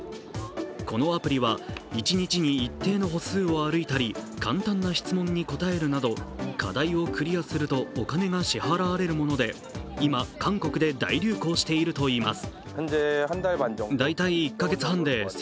このアプリは一日に一定の歩数を歩いたり簡単な質問に答えるなど課題をクリアするとお金が支払われるもので今、韓国で大流行しているといいます。